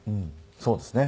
そうですね。